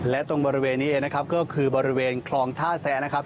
และตรงบริเวณนี้เองนะครับก็คือบริเวณคลองท่าแซะนะครับ